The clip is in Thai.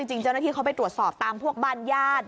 จริงเจ้าหน้าที่เขาไปตรวจสอบตามพวกบ้านญาติ